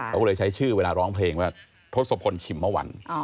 เขาก็เลยใช้ชื่อเวลาร้องเพลงว่าทศพลชิมเมื่อวัน